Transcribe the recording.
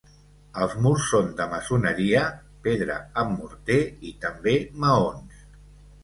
Els murs són de maçoneria, pedra amb morter i també maons.